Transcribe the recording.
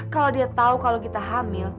kalau dia tahu kalau kita hamil